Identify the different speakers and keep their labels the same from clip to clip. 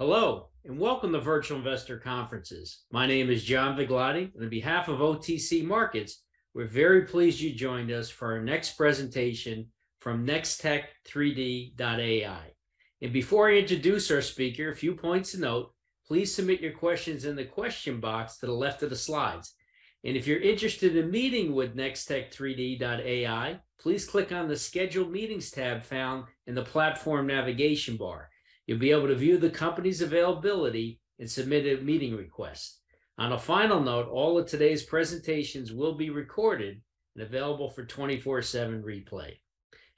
Speaker 1: Hello, welcome to Virtual Investor Conferences. My name is John Viglotti, and on behalf of OTC Markets, we're very pleased you joined us for our next presentation from Nextech3D.AI. Before I introduce our speaker, a few points to note. Please submit your questions in the question box to the left of the slides. If you're interested in meeting with Nextech3D.AI, please click on the Scheduled Meetings tab found in the platform navigation bar. You'll be able to view the company's availability and submit a meeting request. On a final note, all of today's presentations will be recorded and available for 24/7 replay.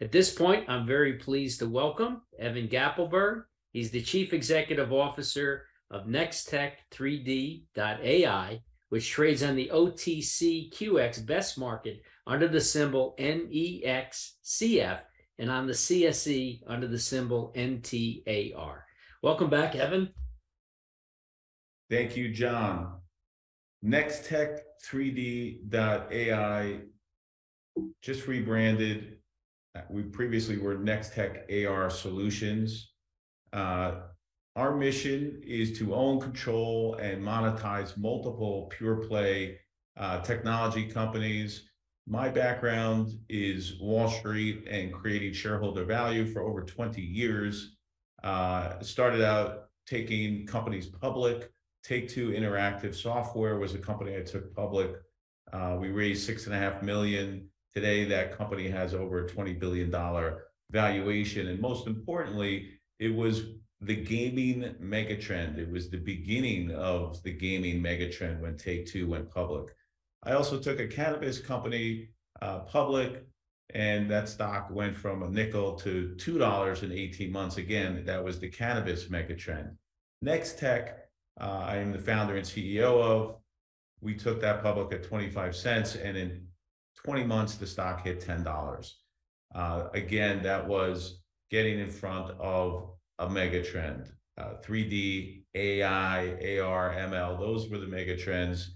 Speaker 1: At this point, I'm very pleased to welcome Evan Gappelberg. He's the Chief Executive Officer of Nextech3D.AI, which trades on the OTCQX Best Market under the symbol N-E-X-C-F and on the CSE under the symbol N-T-A-R. Welcome back, Evan.
Speaker 2: Thank you, John. Nextech3D.ai just rebranded. We previously were Nextech AR Solutions. Our mission is to own, control, and monetize multiple pure play technology companies. My background is Wall Street and creating shareholder value for over 20 years. Started out taking companies public. Take-Two Interactive Software was a company I took public. We raised $6.5 million. Today, that company has over a $20 billion valuation. Most importantly, it was the gaming mega trend. It was the beginning of the gaming mega trend when Take-Two went public. I also took a cannabis company public, and that stock went from $0.05 to $2 in 18 months. Again, that was the cannabis mega trend. Nextech, I am the founder and CEO of. We took that public at $0.25, and in 20 months, the stock hit $10. Again, that was getting in front of a mega trend. 3D, AI, AR, ML, those were the mega trends.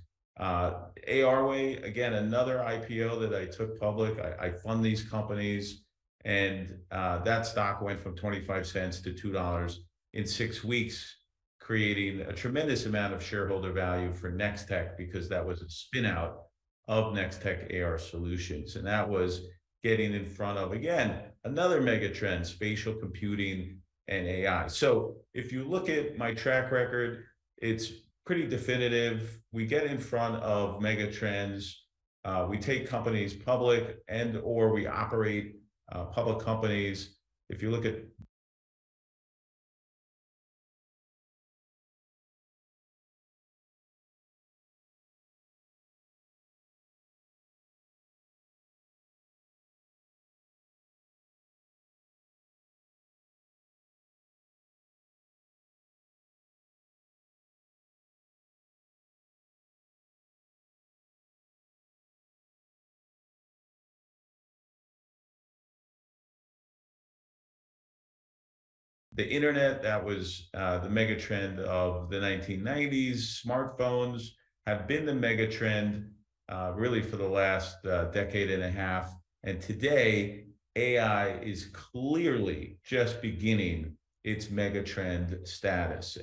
Speaker 2: ARway, again, another IPO that I took public. I fund these companies and that stock went from $0.25 to 2 in six weeks, creating a tremendous amount of shareholder value for Nextech because that was a spin out of Nextech AR Solutions. That was getting in front of, again, another mega trend, spatial computing and AI. If you look at my track record, it's pretty definitive. We get in front of mega trends. We take companies public and/or we operate public companies. The internet, that was the mega trend of the 1990s. Smartphones have been the mega trend, really for the last decade and a half. Today, AI is clearly just beginning its mega trend status.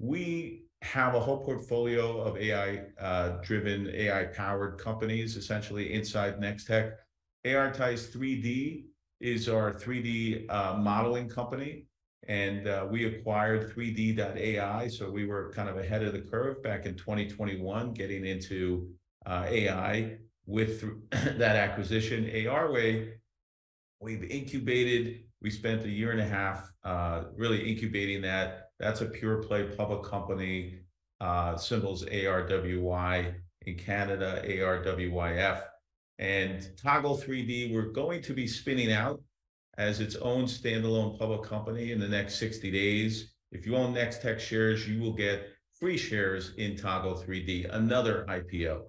Speaker 2: We have a whole portfolio of AI-driven, AI-powered companies essentially inside Nextech. ARitize3D is our 3D modeling company, and we acquired Threedy.ai, so we were kind of ahead of the curve back in 2021 getting into AI with that acquisition. ARway, we've incubated. We spent a year and a half really incubating that. That's a pure play public company, symbols ARWY in Canada, ARWYF. Toggle3D, we're going to be spinning out as its own standalone public company in the next 60 days. If you own Nextech shares, you will get free shares in Toggle3D, another IPO.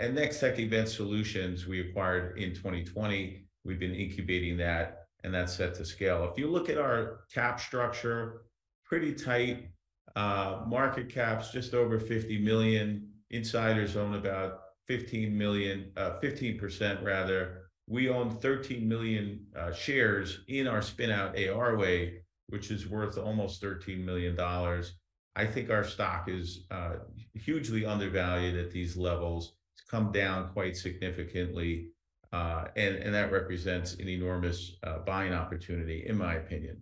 Speaker 2: At Nextech Event Solutions, we acquired in 2020. We've been incubating that, and that's set to scale. If you look at our cap structure, pretty tight. Market cap's just over $50 million. Insiders own about $15 million, 15% rather. We own $13 million shares in our spin out ARway, which is worth almost $13 million. I think our stock is hugely undervalued at these levels. It's come down quite significantly, and that represents an enormous buying opportunity in my opinion.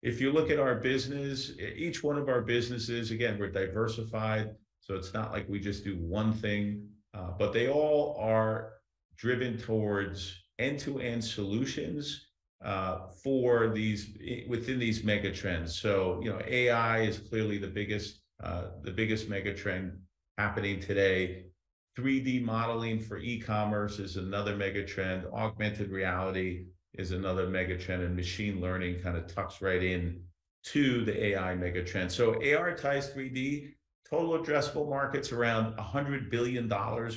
Speaker 2: If you look at our business, each one of our businesses, again, we're diversified, so it's not like we just do one thing, but they all are driven towards end-to-end solutions for these within these mega trends. You know, AI is clearly the biggest mega trend happening today. 3D modeling for e-commerce is another mega trend. Augmented reality is another mega trend. Machine learning kind of tucks right in to the AI mega trend. ARitize3D, total addressable market's around $100 billion,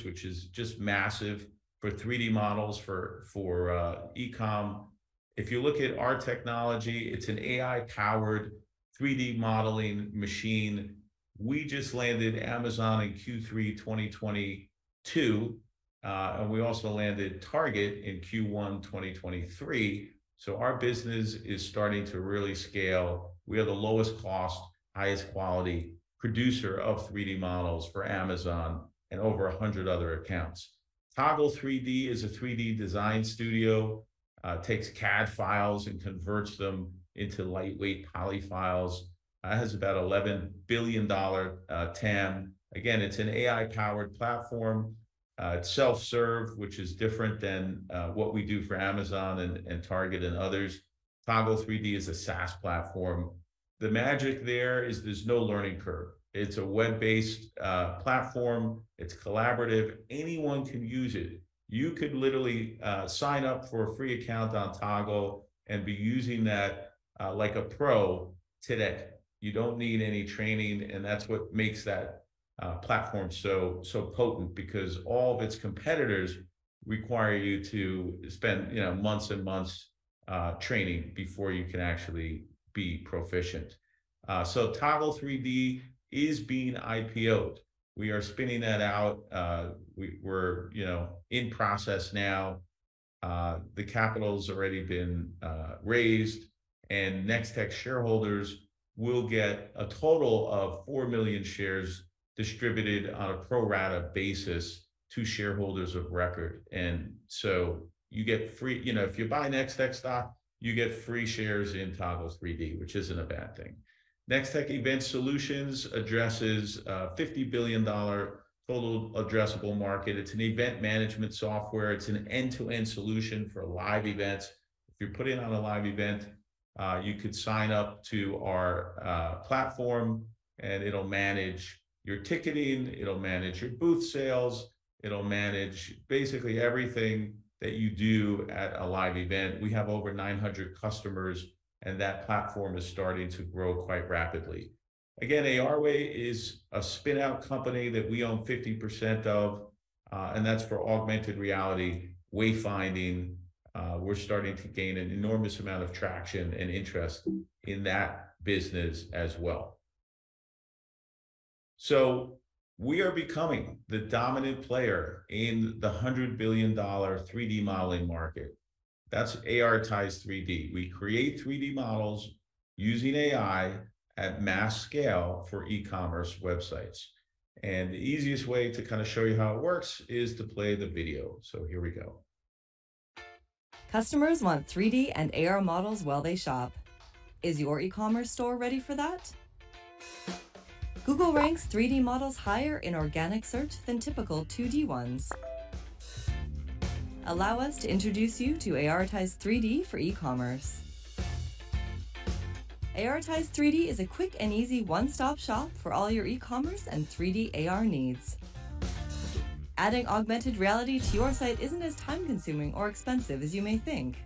Speaker 2: which is just massive for 3D models for e-commerce. If you look at our technology, it's an AI-powered 3D modeling machine. We just landed Amazon in Q3 2022. And we also landed Target in Q1 2023. Our business is starting to really scale. We are the lowest cost, highest quality producer of 3D models for Amazon and over 100 other accounts. Toggle3D is a 3D design studio, takes CAD files and converts them into lightweight poly files. It has about $11 billion TAM. Again, it's an AI-powered platform. It's self-serve, which is different than what we do for Amazon and Target and others. Toggle3D is a SaaS platform. The magic there is there's no learning curve. It's a web-based platform. It's collaborative. Anyone can use it. You could literally sign up for a free account on Toggle3D and be using that like a pro today. You don't need any training, and that's what makes that platform so potent because all of its competitors require you to spend, you know, months and months training before you can actually be proficient. Toggle3D is being IPO'd. We are spinning that out. We're, you know, in process now. The capital's already been raised, and Nextech shareholders will get a total of 4 million shares distributed on a pro rata basis to shareholders of record. You know, if you buy Nextech stock, you get free shares in Toggle3D, which isn't a bad thing. Nextech Event Solutions addresses a $50 billion total addressable market. It's an event management software. It's an end-to-end solution for live events. If you're putting on a live event, you could sign up to our platform, and it'll manage your ticketing. It'll manage your booth sales. It'll manage basically everything that you do at a live event. We have over 900 customers. That platform is starting to grow quite rapidly. Again, ARway is a spin-out company that we own 50% of, and that's for augmented reality wayfinding. We're starting to gain an enormous amount of traction and interest in that business as well. We are becoming the dominant player in the $100 billion 3D modeling market. That's ARitize3D. We create 3D models using AI at mass scale for e-commerce websites. The easiest way to kind of show you how it works is to play the video. Here we go.
Speaker 3: Customers want 3D and AR models while they shop. Is your e-commerce store ready for that? Google ranks 3D models higher in organic search than typical 2D ones. Allow us to introduce you to ARitize3D for e-commerce. ARitize3D is a quick and easy one-stop shop for all your e-commerce and 3D AR needs. Adding augmented reality to your site isn't as time-consuming or expensive as you may think.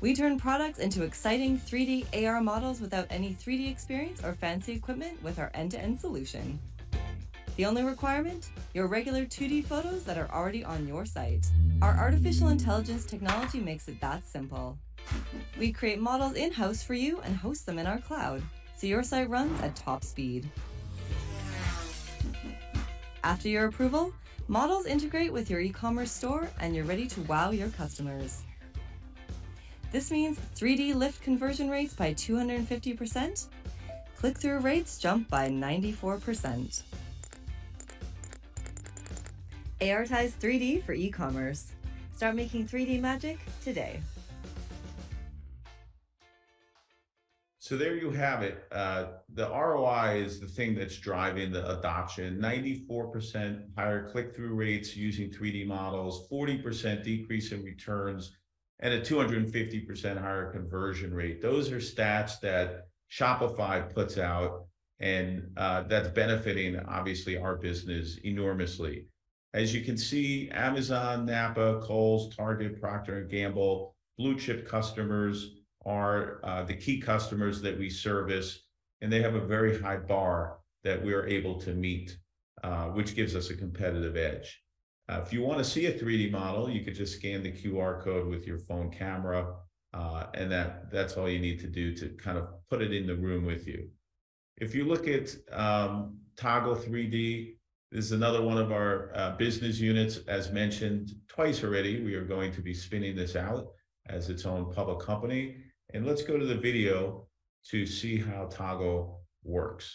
Speaker 3: We turn products into exciting 3D AR models without any 3D experience or fancy equipment with our end-to-end solution. The only requirement, your regular 2D photos that are already on your site. Our artificial intelligence technology makes it that simple. We create models in-house for you and host them in our cloud, so your site runs at top speed. After your approval, models integrate with your e-commerce store, you're ready to wow your customers. This means 3D lift conversion rates by 250%, click-through rates jump by 94%. ARitize3D for e-commerce. Start making 3D magic today.
Speaker 2: There you have it. The ROI is the thing that's driving the adoption. 94% higher click-through rates using 3D models, 40% decrease in returns, and a 250% higher conversion rate. Those are stats that Shopify puts out, that's benefiting, obviously, our business enormously. As you can see, Amazon, NAPA, Kohl's, Target, Procter & Gamble, blue-chip customers are the key customers that we service, they have a very high bar that we are able to meet, which gives us a competitive edge. If you wanna see a 3D model, you could just scan the QR code with your phone camera, that's all you need to do to kind of put it in the room with you. If you look at Toggle3D, this is another one of our business units. As mentioned twice already, we are going to be spinning this out as its own public company. Let's go to the video to see how Toggle works.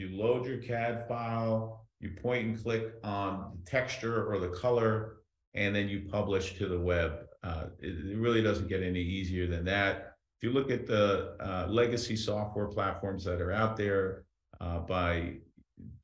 Speaker 2: Super simple. You load your CAD file, you point and click on the texture or the color, and then you publish to the web. It really doesn't get any easier than that. If you look at the legacy software platforms that are out there, by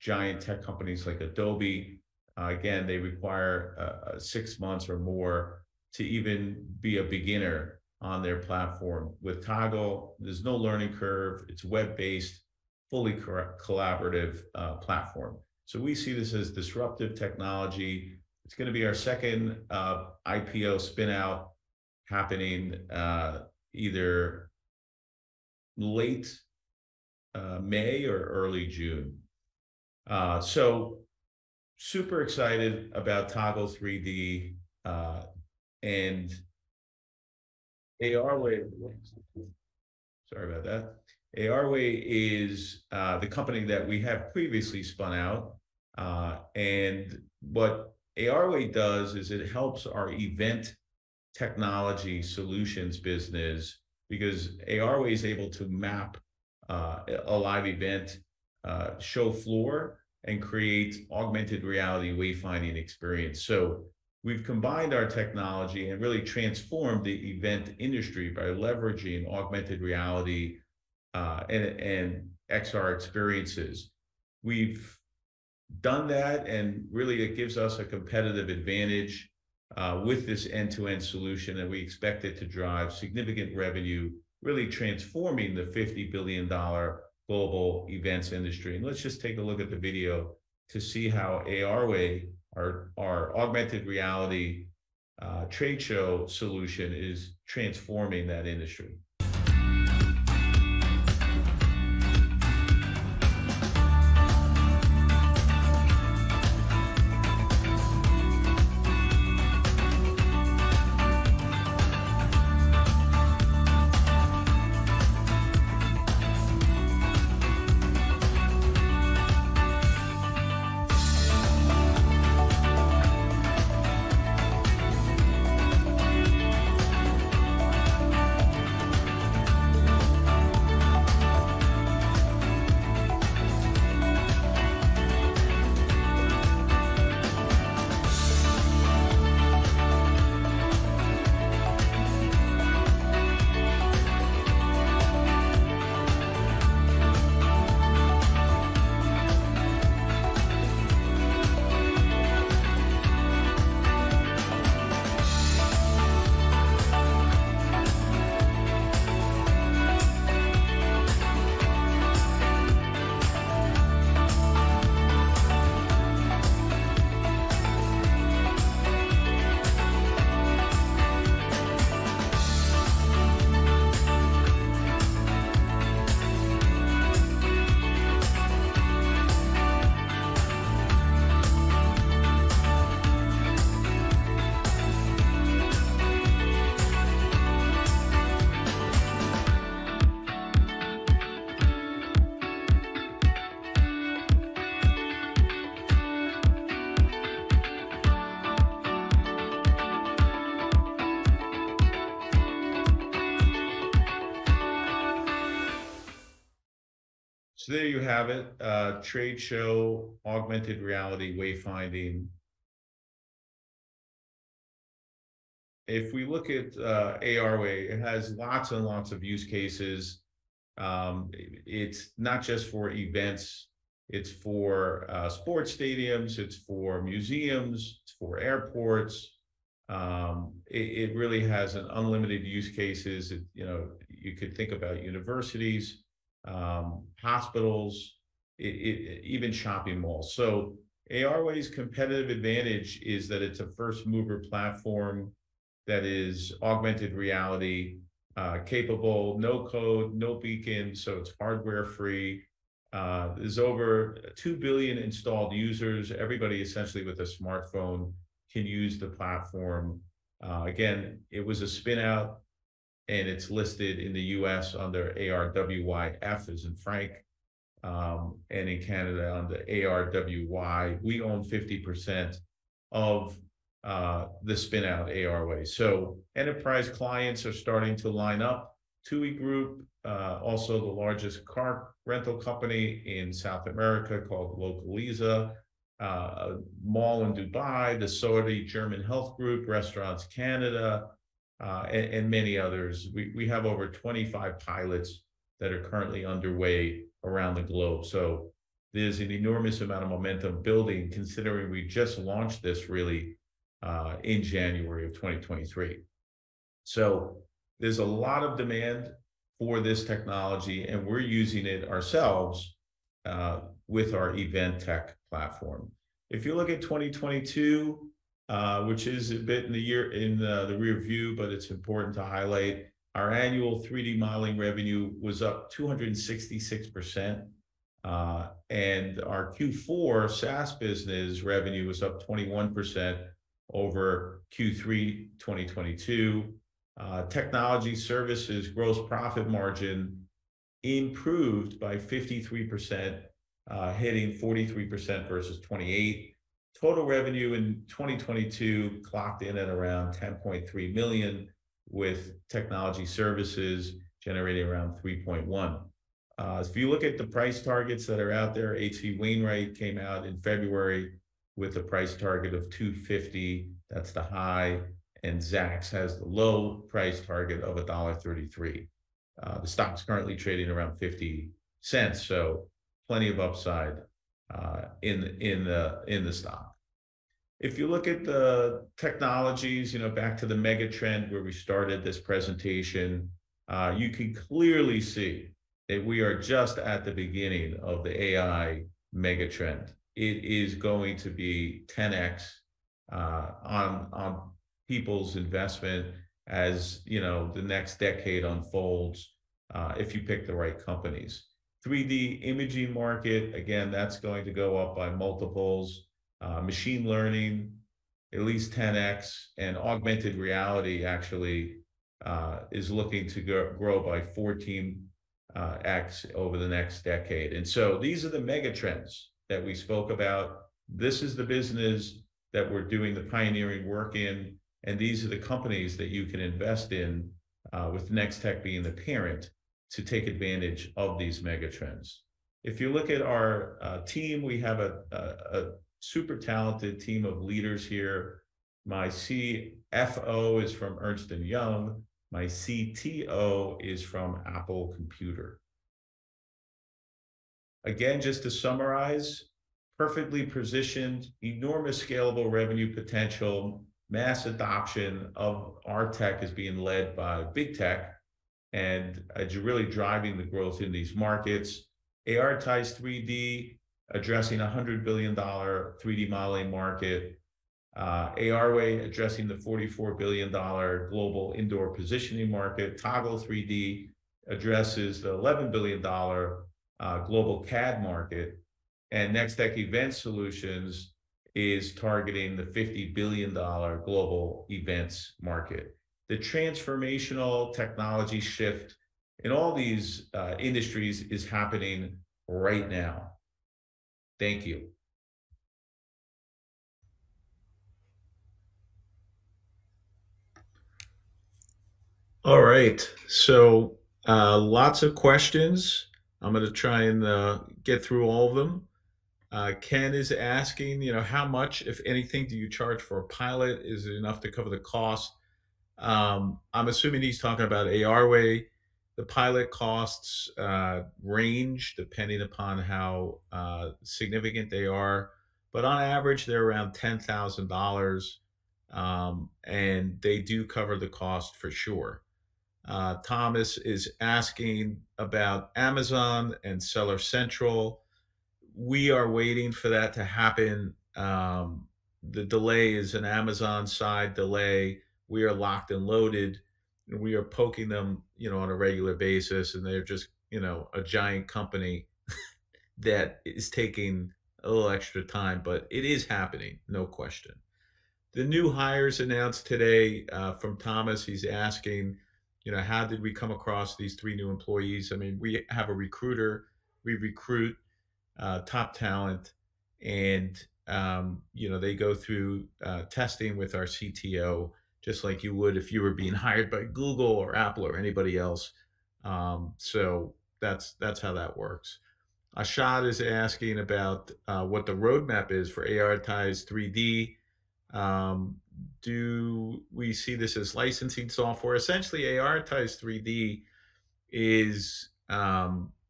Speaker 2: giant tech companies like Adobe, again, they require six months or more to even be a beginner on their platform. With Toggle, there's no learning curve. It's web-based, fully collaborative platform. We see this as disruptive technology. It's gonna be our second IPO spin-out happening either late May or early June. Super excited about Toggle3D and ARway. Sorry about that. ARway is the company that we have previously spun out. What ARway does is it helps our Event Solutions business because ARway is able to map a live event show floor and create augmented reality wayfinding experience. We've combined our technology and really transformed the event industry by leveraging augmented reality and XR experiences. We've done that, really, it gives us a competitive advantage with this end-to-end solution, and we expect it to drive significant revenue, really transforming the $50 billion global events industry. Let's just take a look at the video to see how ARway, our augmented reality trade show solution, is transforming that industry. There you have it, trade show augmented reality wayfinding. If we look at ARway, it has lots and lots of use cases. It's not just for events. It's for sports stadiums. It's for museums. It's for airports. It really has an unlimited use cases. It, you know, you could think about universities, hospitals, even shopping malls. ARway's competitive advantage is that it's a first-mover platform that is augmented reality capable, no code, no beacon, so it's hardware free. There's over two billion installed users. Everybody essentially with a smartphone can use the platform. Again, it was a spin-out, and it's listed in the U.S. under ARWYF, as in Frank, and in Canada under ARWY. We own 50% of the spin-out ARway. Enterprise clients are starting to line up. TUI Group, also the largest car rental company in South America called Localiza, a mall in Dubai, the Saudi German Health, Restaurants Canada, and many others. We have over 25 pilots that are currently underway around the globe. There's an enormous amount of momentum building considering we just launched this really in January of 2023. There's a lot of demand for this technology, and we're using it ourselves with our event tech platform. If you look at 2022, which is a bit in the rearview, but it's important to highlight, our annual 3D modeling revenue was up 266%, and our Q4 SaaS business revenue was up 21% over Q3 2022. Technology services gross profit margin improved by 53%, hitting 43% versus 28%. Total revenue in 2022 clocked in at around $10.3 million, with technology services generating around $3.1 million. If you look at the price targets that are out there, H.C. Wainwright came out in February with a price target of $2.50, that's the high, and Zacks has the low price target of $1.33. The stock's currently trading around $0.50, so plenty of upside in the stock. If you look at the technologies, you know, back to the mega trend where we started this presentation, you can clearly see that we are just at the beginning of the AI mega trend. It is going to be 10x, on people's investment as, you know, the next decade unfolds, if you pick the right companies. 3D imaging market, again, that's going to go up by multiples. Machine learning at least 10x, and augmented reality actually, is looking to grow by 14x over the next decade. These are the mega trends that we spoke about. This is the business that we're doing the pioneering work in, and these are the companies that you can invest in, with Nextech being the parent to take advantage of these mega trends. If you look at our team, we have a super talented team of leaders here. My CFO is from Ernst & Young. My CTO is from Apple Computer. Again, just to summarize, perfectly positioned, enormous scalable revenue potential. Mass adoption of our tech is being led by big tech and is really driving the growth in these markets. ARitize3D addressing a $100 billion 3D modeling market. ARway addressing the $44 billion global indoor positioning market. Toggle3D addresses the $11 billion global CAD market. Nextech Event Solutions is targeting the $50 billion global events market. The transformational technology shift in all these industries is happening right now. Thank you. All right. Lots of questions. I'm gonna try and get through all of them. Ken is asking, you know, "How much, if anything, do you charge for a pilot? Is it enough to cover the cost?" I'm assuming he's talking about ARway. The pilot costs range depending upon how significant they are, but on average, they're around $10,000. They do cover the cost for sure. Thomas is asking about Amazon and Seller Central. We are waiting for that to happen. The delay is an Amazon side delay. We are locked and loaded, and we are poking them, you know, on a regular basis, and they're just, you know, a giant company that is taking a little extra time, but it is happening, no question. The new hires announced today, from Thomas, he's asking, you know, "How did we come across these three new employees?" I mean, we have a recruiter. We recruit top talent and, you know, they go through testing with our CTO just like you would if you were being hired by Google or Apple or anybody else. That's how that works. Ashad is asking about what the roadmap is for ARitize3D. Do we see this as licensing software? Essentially, ARitize3D is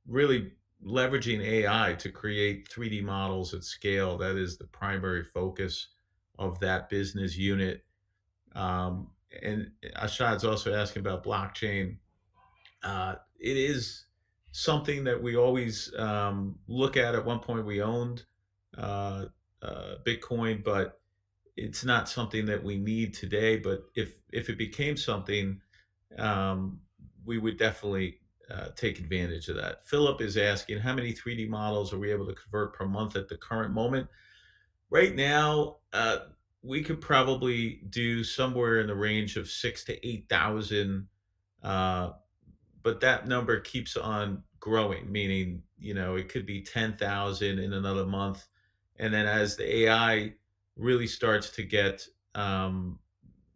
Speaker 2: really leveraging AI to create 3D models at scale. That is the primary focus of that business unit. Ashad's also asking about blockchain. It is something that we always look at. At one point, we owned Bitcoin, it's not something that we need today. If it became something, we would definitely take advantage of that. Philip is asking, "How many 3D models are we able to convert per month at the current moment?" Right now, we could probably do somewhere in the range of 6,000 to 8,000, but that number keeps on growing, meaning, you know, it could be 10,000 in another month. As the AI really starts to get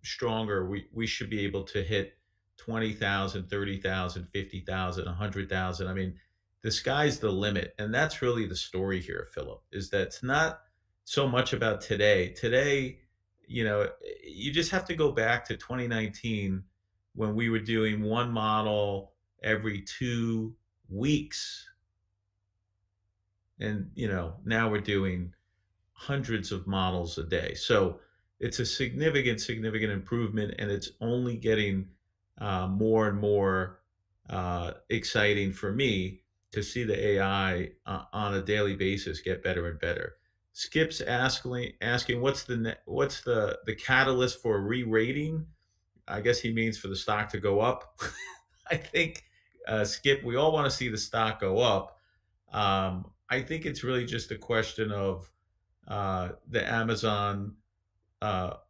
Speaker 2: stronger, we should be able to hit 20,000, 30,000, 50,000, 100,000. I mean, the sky's the limit, and that's really the story here, Philip. Is that it's not so much about today. Today, you know, you just have to go back to 2019 when we were doing one model every two weeks and, you know, now we're doing hundreds of models a day. It's a significant improvement, and it's only getting more and more exciting for me to see the AI on a daily basis get better and better. Skip's asking, "What's the catalyst for re-rating?" I guess he means for the stock to go up. I think, Skip, we all wanna see the stock go up. I think it's really just a question of the Amazon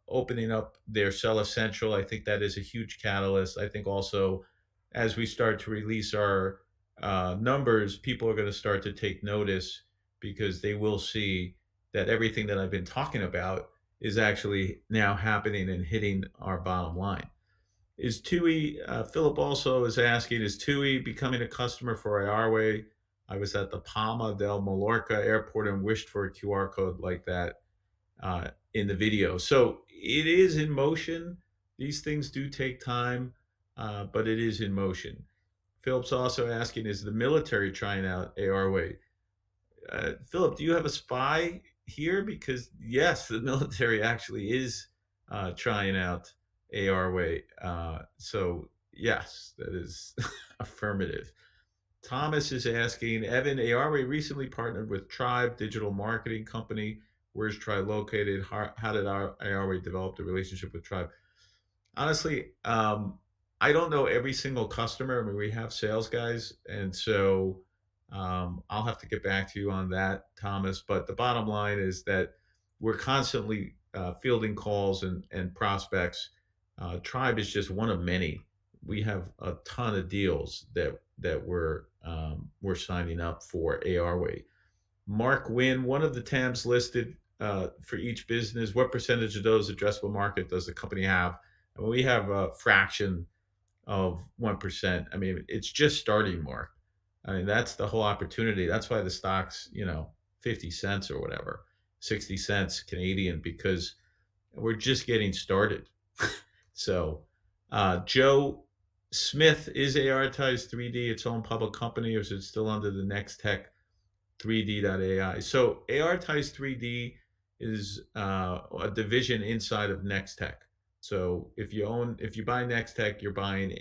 Speaker 2: opening up their Seller Central. I think that is a huge catalyst. I think also as we start to release our numbers, people are gonna start to take notice because they will see that everything that I've been talking about is actually now happening and hitting our bottom line. Philip also is asking, "Is TUI becoming a customer for ARWay? I was at the Palma de Mallorca Airport and wished for a QR code like that. In the video. It is in motion. These things do take time, but it is in motion. Philip's also asking, "Is the military trying out ARway?" Philip, do you have a spy here? Yes, the military actually is trying out ARway. Yes, that is affirmative. Thomas is asking, "Evan, ARway recently partnered with The TRIBE digital marketing company. Where's The TRIBE located? How did ARway develop the relationship with The TRIBE?" Honestly, I don't know every single customer. I mean, we have sales guys and so, I'll have to get back to you on that, Thomas. The bottom line is that we're constantly fielding calls and prospects. The TRIBE is just one of many. We have a ton of deals that we're signing up for ARway. Mark Wynn, "One of the TAMs listed for each business, what percentage of those addressable market does the company have?" We have a fraction of 1%. I mean, it's just starting, Mark. I mean, that's the whole opportunity. That's why the stock's, you know, 0.50 or whatever, 0.60 Canadian, because we're just getting started. Joe Smith, "Is ARitize3D its own public company, or is it still under the Nextech3D.AI?" ARitize3D is a division inside of Nextech. If you buy Nextech, you're buying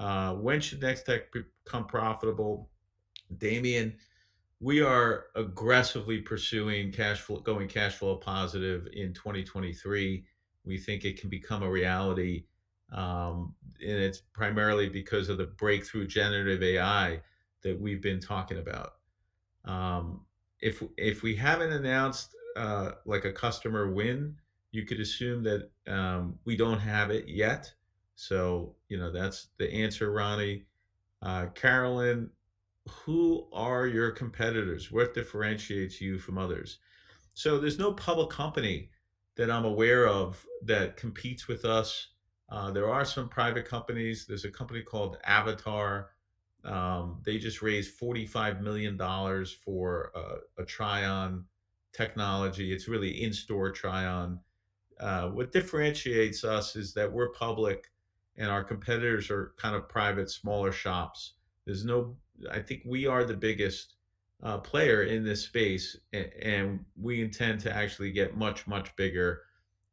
Speaker 2: ARitize3D. "When should Nextech become profitable?" Damian, we are aggressively pursuing cashflow, going cashflow positive in 2023. We think it can become a reality. It's primarily because of the breakthrough generative AI that we've been talking about. If we haven't announced, like a customer win, you could assume that, we don't have it yet. You know, that's the answer, Ronnie. Carolyn, "Who are your competitors? What differentiates you from others?" There's no public company that I'm aware of that competes with us. There are some private companies. There's a company called Avataar. They just raised $45 million for, a try-on technology. It's really in-store try-on. What differentiates us is that we're public and our competitors are kind of private, smaller shops. I think we are the biggest player in this space and we intend to actually get much, much bigger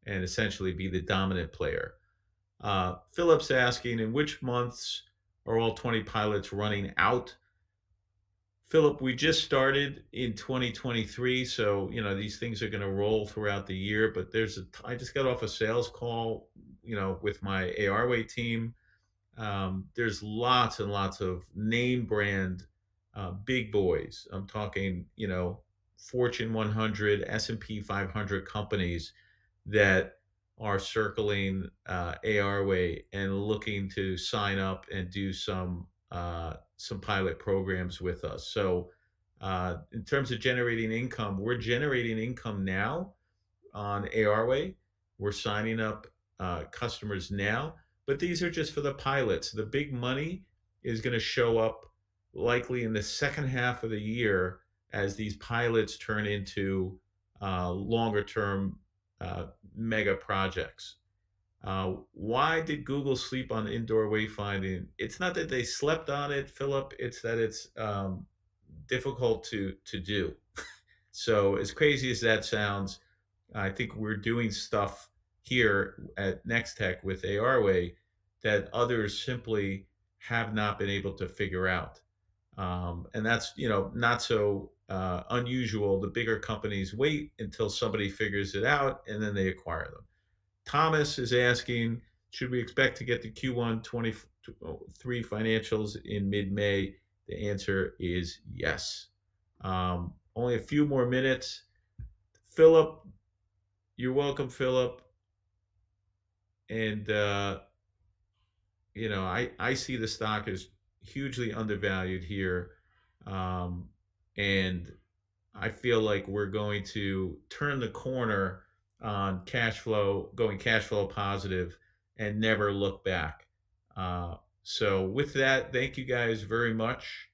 Speaker 2: and essentially be the dominant player. Philip's asking, "In which months are all 20 pilots running out?" Philip, we just started in 2023, you know, these things are gonna roll throughout the year. I just got off a sales call, you know, with my ARway team. There's lots and lots of name brand, big boys. I'm talking, you know, Fortune 100, S&P 500 companies that are circling ARway and looking to sign up and do some pilot programs with us. In terms of generating income, we're generating income now on ARway. We're signing up customers now, these are just for the pilots. The big money is gonna show up likely in the second half of the year as these pilots turn into longer term, mega projects. Why did Google sleep on indoor wayfinding?" It's not that they slept on it, Philip. It's that it's difficult to do. As crazy as that sounds, I think we're doing stuff here at Nextech3D.AI with ARway that others simply have not been able to figure out. That's, you know, not so unusual. The bigger companies wait until somebody figures it out and then they acquire them. Thomas is asking, "Should we expect to get the Q1 2023 financials in mid-May?" The answer is yes. Only a few more minutes. Philip. You're welcome, Philip. You know, I see the stock is hugely undervalued here. I feel like we're going to turn the corner on cashflow, going cashflow positive and never look back. With that, thank you guys very much.